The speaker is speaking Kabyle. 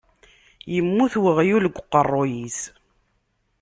Yemmut weɣyul deg uqeṛṛuy-is.